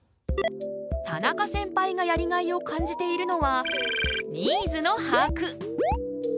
田中センパイがやりがいを感じているのはニーズの把握。